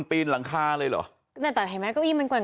ปริญ่ากลางคาเลยเหรอ